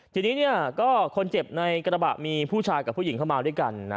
ทีนี้เนี่ยก็คนเจ็บในกระบะมีผู้ชายกับผู้หญิงเข้ามาด้วยกันนะ